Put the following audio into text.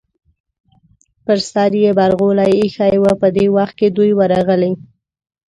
پر سر یې برغولی ایښی و، په دې وخت کې دوی ورغلې.